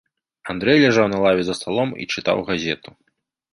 Андрэй ляжаў на лаве за сталом і чытаў газету.